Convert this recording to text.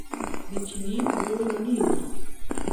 د چينې اوبه رڼې دي.